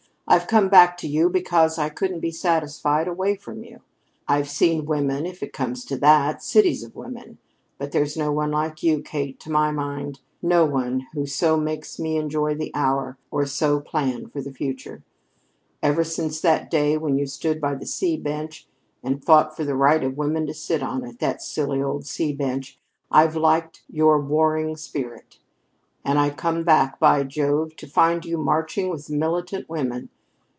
I've come back to you because I couldn't be satisfied away from you. I've seen women, if it comes to that, cities of women. But there's no one like you, Kate, to my mind; no one who so makes me enjoy the hour, or so plan for the future. Ever since that day when you stood up by the C Bench and fought for the right of women to sit on it, that silly old C Bench, I've liked your warring spirit. And I come back, by Jove, to find you marching with the militant women!